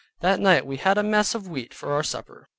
That night we had a mess of wheat for our supper.